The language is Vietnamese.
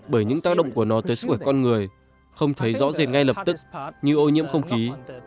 bởi những tác động của nó tới sức khỏe con người không thấy rõ rệt ngay lập tức như ô nhiễm không khí